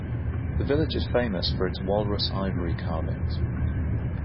The village is famous for its walrus ivory carvings.